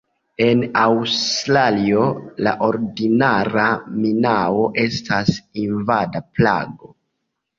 En Aŭstralio, la ordinara minao estas invada plago.